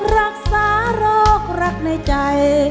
รักษาโรครักในใจ